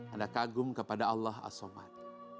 anda kagum kepada allah asomad